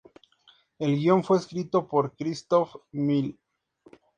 El guión fue escrito por Christoph Mille.